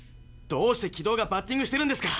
どうして軌道がバッティングしてるんですか。